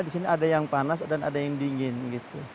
disini ada yang panas dan ada yang dingin gitu